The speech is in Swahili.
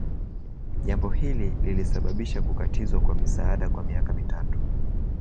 Jambo hili lilisababisha kukatizwa kwa misaada kwa miaka mitatu